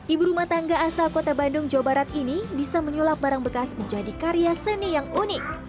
ibu rumah tangga asal kota bandung jawa barat ini bisa menyulap barang bekas menjadi karya seni yang unik